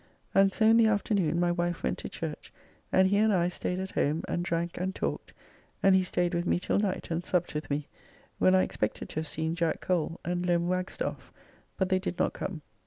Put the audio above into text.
And so in the afternoon my wife went to church, and he and I stayed at home and drank and talked, and he stayed with me till night and supped with me, when I expected to have seen Jack Cole and Lem. Wagstaffe, but they did not come.